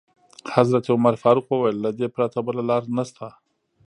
حضرت عمر فاروق وویل: له دې پرته بله لاره نشته.